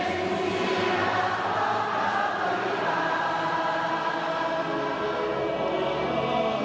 โอ้อินทรีย์ที่รักของเราอยู่บ้าน